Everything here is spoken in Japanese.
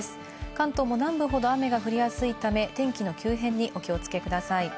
関東も南部ほど雨が降りやすいため、天気の急変に、お気をつけください。